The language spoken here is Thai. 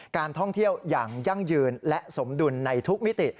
การท่องเที่ยวอย่างยั่งยืนและสมดุลในทุกมิติ